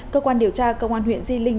cơ quan điều tra công an huyện di linh